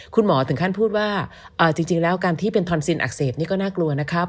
คุณหมอถึงขั้นพูดว่าจริงแล้วการที่เป็นทอนซินอักเสบนี่ก็น่ากลัวนะครับ